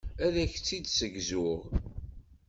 Ad ak-tt-id-ssegzuɣ.